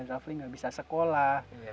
rafli gak bisa sekolah